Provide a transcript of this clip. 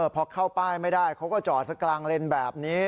พอเข้าป้ายไม่ได้เขาก็จอดสักกลางเลนแบบนี้